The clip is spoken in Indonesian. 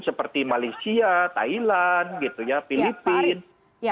seperti malaysia thailand filipina